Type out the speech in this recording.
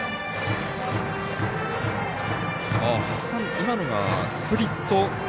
今のがスプリット。